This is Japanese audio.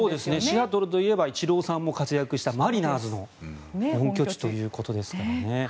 シアトルといえばイチローさんも活躍したマリナーズの本拠地ということですからね。